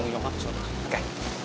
gue juga ya